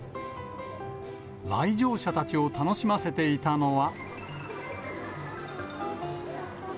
来場者たちを楽しませていたのは。